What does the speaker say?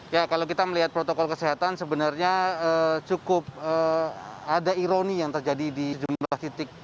ya kalau kita melihat protokol kesehatan sebenarnya cukup ada ironi yang terjadi di jumlah titik